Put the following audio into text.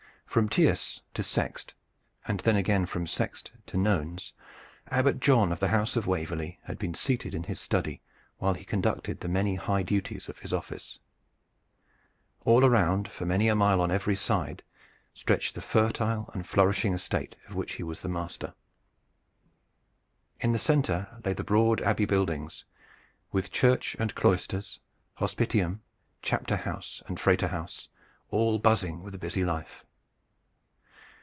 From tierce to sext, and then again from sext to nones, Abbot John of the House of Waverley had been seated in his study while he conducted the many high duties of his office. All around for many a mile on every side stretched the fertile and flourishing estate of which he was the master. In the center lay the broad Abbey buildings, with church and cloisters, hospitium, chapter house and frater house, all buzzing with a busy life.